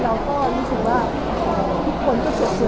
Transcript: แล้วก็ไม่ได้ดูแลตัวเองกันดีกว่า